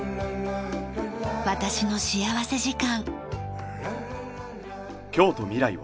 『私の幸福時間』。